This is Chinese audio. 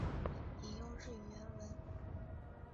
引用日语原文